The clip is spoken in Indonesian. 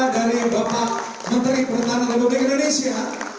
dari bapak menteri pertahanan republik indonesia